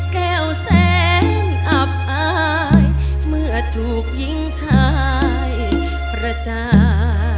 แก้วแสงอับอายเมื่อถูกยิงชายประจา